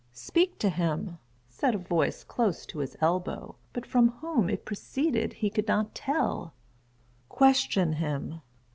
"Speak to him," said a voice close to his elbow, but from whom it proceeded he could not tell: "question him."